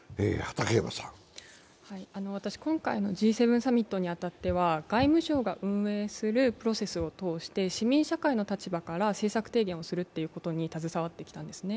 私、今回のＧ７サミットに当たっては、外務省が運営するプロセスを通して市民社会の立場から政策提言をするということに携わってきたんですね。